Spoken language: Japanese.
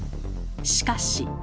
しかし。